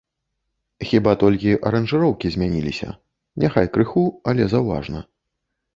Хіба толькі аранжыроўкі змяніліся, няхай крыху, але заўважна.